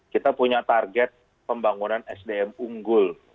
kita punya target pembangunan sdm unggul